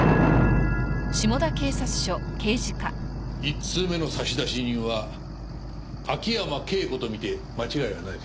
１通目の差出人は秋山圭子と見て間違いはないでしょう。